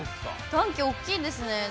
団旗、大きいですね。